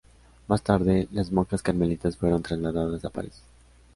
Más tarde, las monjas carmelitas fueron trasladadas a París.